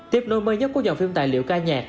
tiếp nối mới nhất của dòng phim tài liệu ca nhạc